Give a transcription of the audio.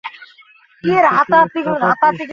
কিন্তু তুই একটা পাপী।